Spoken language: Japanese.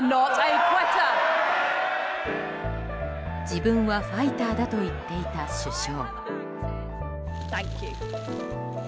自分はファイターだと言っていた首相。